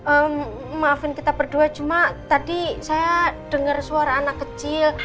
eh maafin kita berdua cuma tadi saya dengar suara anak kecil